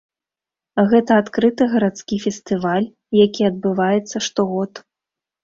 Гэта адкрыты гарадскі фестываль, які адбываецца штогод.